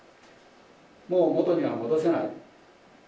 もう元には戻せない。